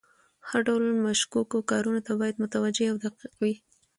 هر ډول مشکوکو کارونو ته باید متوجه او دقیق وي.